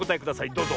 どうぞ！